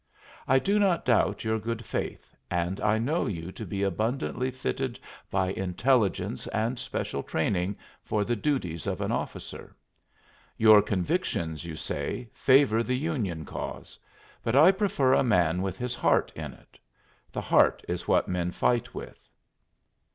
I do not doubt your good faith, and I know you to be abundantly fitted by intelligence and special training for the duties of an officer. Your convictions, you say, favor the Union cause, but I prefer a man with his heart in it. The heart is what men fight with."